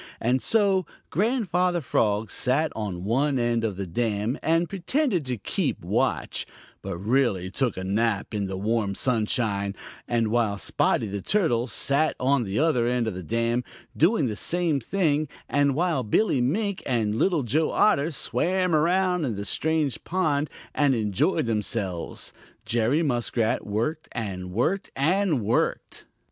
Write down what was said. And so, while Grandfather Frog sat on one end of the dam and pretended to keep watch, but really took a nap in the warm sunshine, and while Spotty the Turtle sat on the other end of the dam doing the same thing, and while Billy Mink and Little Joe Otter swam around in the strange pond and enjoyed themselves, Jerry Muskrat worked and worked and worked.